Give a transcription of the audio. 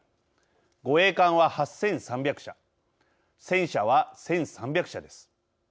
護衛艦は８３００社戦車は１３００社です。